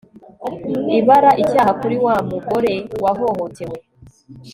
ibara icyaha kuri wa mugore wahohotewe